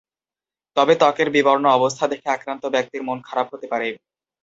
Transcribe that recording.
তবে ত্বকের বিবর্ণ অবস্থা দেখে আক্রান্ত ব্যক্তির মন খারাপ হতে পারে।